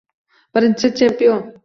Birinchi chempion